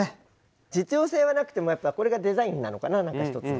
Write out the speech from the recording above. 実用性はなくてもやっぱこれがデザインなのかななんか一つの。